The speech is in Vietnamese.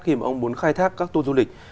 khi mà ông muốn khai thác các tour du lịch